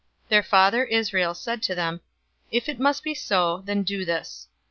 043:011 Their father, Israel, said to them, "If it must be so, then do this.